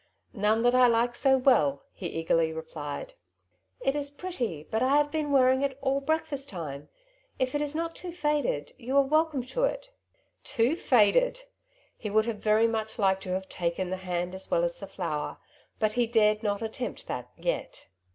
" None that I like so well,'' he eagerly replied. '' It is pretty, but I have been wearing it all Tom's A dvice. 1 6 1 breakfast time. If it is not too faded, you are welcome to it/' '' Too faded I " He would have very much liked to have taken the band as well as the flower, but he dared not attempt that yet.